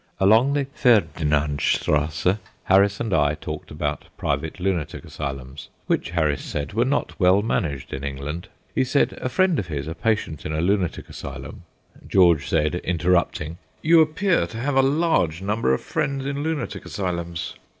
Along the Ferdinand Strasse Harris and I talked about private lunatic asylums, which, Harris said, were not well managed in England. He said a friend of his, a patient in a lunatic asylum George said, interrupting: "You appear to have a large number of friends in lunatic asylums."